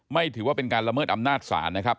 ถือว่าเป็นการละเมิดอำนาจศาลนะครับ